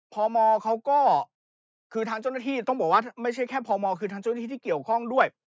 พมเขาก็คือทางเจ้าหน้าที่ต้องบอกว่าไม่ใช่แค่พมคือทางเจ้าหน้าที่ที่เกี่ยวข้องด้วย